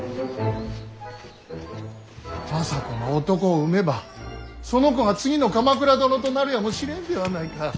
政子が男を産めばその子が次の鎌倉殿となるやもしれぬではないか。